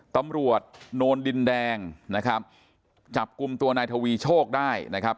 ตำรวจโนนดินแดงนะครับจับกลุ่มตัวนายทวีโชคได้นะครับ